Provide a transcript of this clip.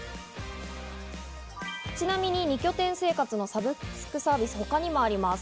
ちなみに二拠点生活のサブスクサービス、他にもあります。